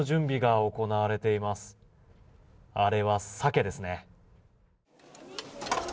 あれは鮭ですね。